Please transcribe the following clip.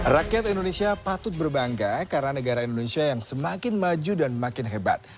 rakyat indonesia patut berbangga karena negara indonesia yang semakin maju dan makin hebat